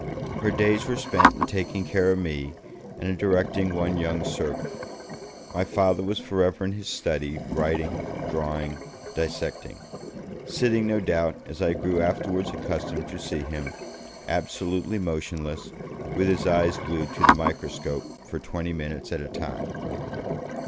Her days were spent in taking care of me, and in directing one young servant. My Father was forever in his study, writing, drawing, dissecting; sitting, no doubt, as I grew afterwards accustomed to see him, absolutely motionless, with his eye glued to the microscope, for twenty minutes at a time.